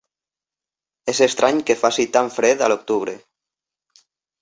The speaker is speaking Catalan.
És estrany que faci tant fred a l'octubre.